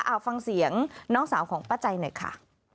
เอาฟังเสียงน้องสาวของป้าใจหน่อยค่ะ